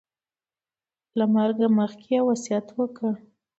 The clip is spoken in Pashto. له مرګه مخکې یې وصیت وکړ.